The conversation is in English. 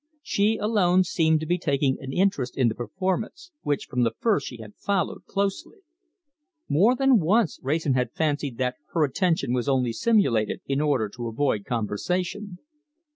She alone seemed to be taking an interest in the performance, which from the first she had followed closely. More than once Wrayson had fancied that her attention was only simulated, in order to avoid conversation.